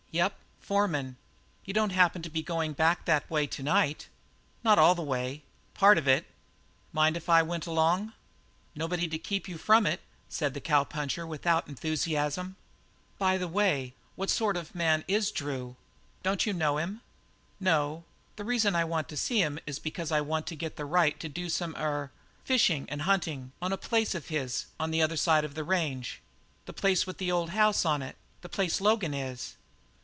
"Yep; foreman." "You don't happen to be going back that way to night?" "Not all the way; part of it." "Mind if I went along?" "Nobody to keep you from it," said the cowpuncher without enthusiasm. "By the way, what sort of a man is Drew?" "Don't you know him?" "No. The reason I want to see him is because I want to get the right to do some er fishing and hunting on a place of his on the other side of the range." "The place with the old house on it; the place Logan is?"